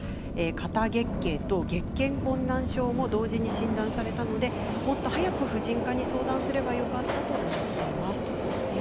過多月経と月経困難症も同時に診断されたのでもっと早く婦人科に相談すればよかったと話しています。